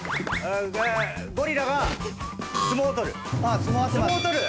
ゴリラが相撲を取る。